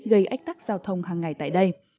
gây ách tắc giao thông hàng ngày tại đây